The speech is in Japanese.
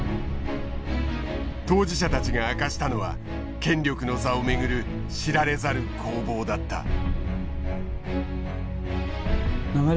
当事者たちが明かしたのは権力の座を巡る知られざる攻防だった。